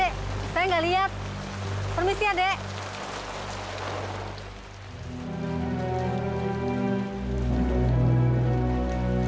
apa tadi ibu pernah melihat seorang ibu ibu